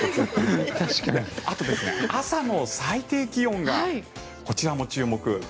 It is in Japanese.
あと、朝の最低気温がこちらも注目。